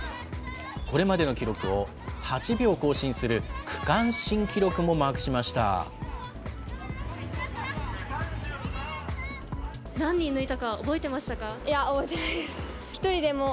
これまでの記録を８秒更新する区間新記録もマークしました。